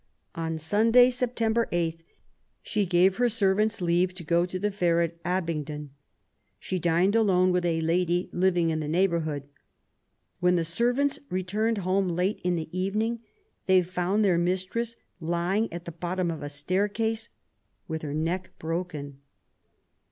On Sunday, September 8, she gave her servants leave to go to the fair at Abingdon. She dined alone with a lady living in the neighbour hood. When the servants returned home late in the evening they found their mistress lying at the bottom of a staircase with her neck broken.